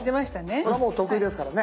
これはもう得意ですからね。